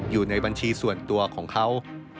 อยู่ในบัญชีส่วนตัวของเขา